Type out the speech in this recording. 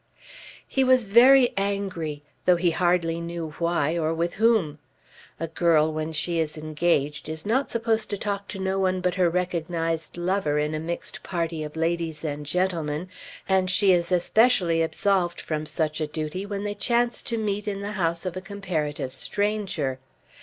He was very angry, though he hardly knew why or with whom. A girl when she is engaged is not supposed to talk to no one but her recognised lover in a mixed party of ladies and gentlemen, and she is especially absolved from such a duty when they chance to meet in the house of a comparative stranger.